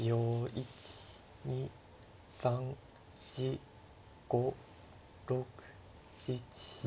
１２３４５６７。